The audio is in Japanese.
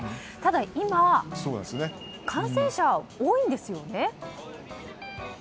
ただ、今感染者は多いんですよね？